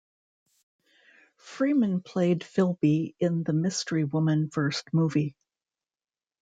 Freeman played Philby in the Mystery Woman first movie.